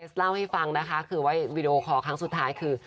เล่าให้ฟังนะคะคือไว้วีดีโอคอร์ครั้งสุดท้ายคือ